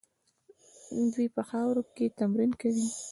دوی په خاورو کې تمرین کوي.